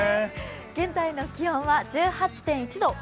現在の気温は１８．１度。